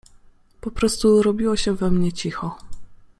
Po prostu robiło się we mnie cicho.